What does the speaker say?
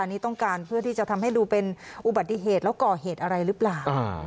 อันนี้ต้องการเพื่อที่จะทำให้ดูเป็นอุบัติเหตุแล้วก่อเหตุอะไรหรือเปล่า